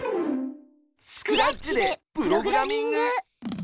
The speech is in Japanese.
スクラッチでプログラミング！